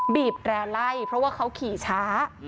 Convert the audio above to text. บีบแร่ไล่เพราะว่าเขาขี่ช้า